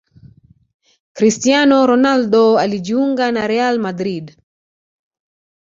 Cristiano Ronaldo alijuinga na Real Madrid